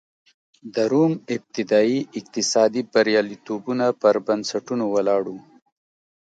د روم ابتدايي اقتصادي بریالیتوبونه پر بنسټونو ولاړ و